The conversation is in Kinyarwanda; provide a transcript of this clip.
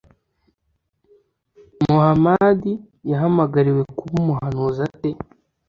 muhamadi yahamagariwe kuba umuhanuzi ate?